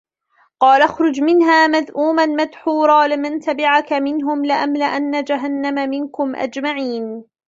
قال اخرج منها مذءوما مدحورا لمن تبعك منهم لأملأن جهنم منكم أجمعين